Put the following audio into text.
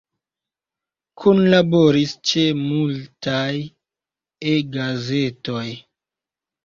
Kunlaboris ĉe multaj E-gazetoj.